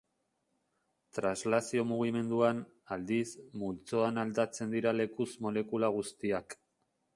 Translazio mugimenduan, aldiz, multzoan aldatzen dira lekuz molekula guztiak.